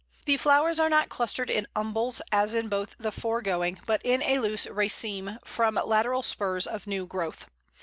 The flowers are not clustered in umbels, as in both the foregoing, but in a loose raceme from lateral spurs of new growth.